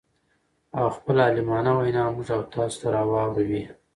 او خپله عالمانه وينا موږ او تاسو ته را واور وي.